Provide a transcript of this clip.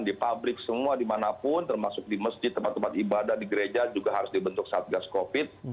di pabrik semua dimanapun termasuk di masjid tempat tempat ibadah di gereja juga harus dibentuk satgas covid